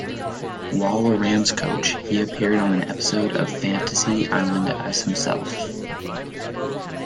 While a Rams coach, he appeared on an episode of Fantasy Island as himself.